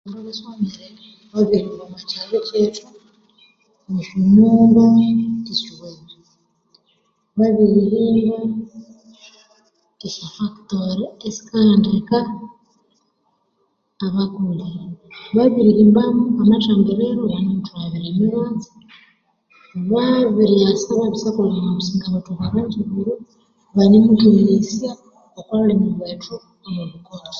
Babirihimba omwa kyalo kyethu mwe esyonyumba esyowene, babiri himba esya factory esikalhangirika abakoli, babirihimbamu amathambiriro awane muthughabira emibatsi babiryasa babirisakolha omwa businga bwethu obwe Rwenzururu banemuthweghesya okwa lhulimi lwethu olhwo olhukonzo.